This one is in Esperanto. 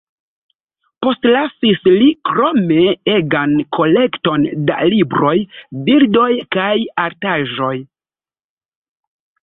Postlasis li krome egan kolekton da libroj, bildoj kaj artaĵoj.